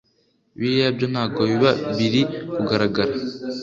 biriya byo ntago biba biri kugaragara